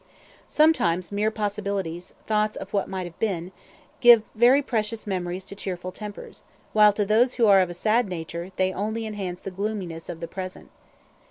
Sometimes mere possibilities thoughts of what might have been give very precious memories to cheerful tempers; while to those who are of a sad nature, they only enhance the gloominess of the present.